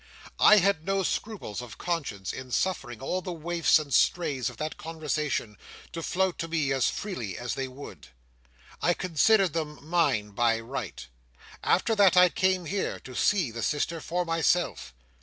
I had no scruples of conscience in suffering all the waifs and strays of that conversation to float to me as freely as they would. I considered them mine by right. After that, I came here to see the sister for myself.